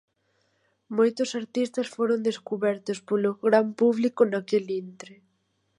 Moitos artistas foron descubertos polo gran público naquel intre.